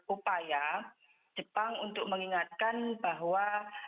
upaya jepang untuk mengingatkan bahwa